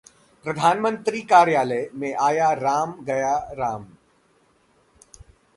प्रधानमंत्री कार्यालय में आया राम-गया राम